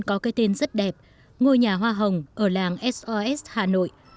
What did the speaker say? có cái tên rất đẹp ngôi nhà hoa hồng ở làng sos hà nội